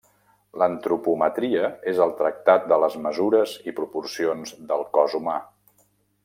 L'antropometria és el tractat de les mesures i proporcions del cos humà.